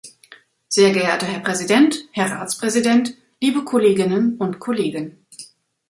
Sehr geehrter Herr Präsident, Herr Ratspräsident, liebe Kolleginnen und Kollegen!